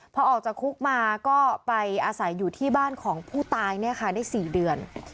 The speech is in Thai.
พอออกจากคุกมาก็ไปอาศัยอยู่ที่บ้านของผู้ตายได้๔เดือน